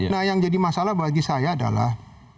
nah yang jadi masalah bagi saya adalah